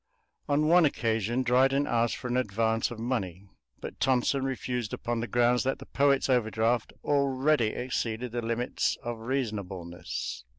On one occasion Dryden asked for an advance of money, but Tonson refused upon the grounds that the poet's overdraft already exceeded the limits of reasonableness.